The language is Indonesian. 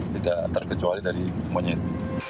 tidak terkecuali dari monyet